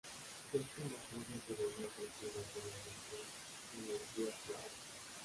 Este motor ya se venía ofreciendo anteriormente en el Fiat Bravo.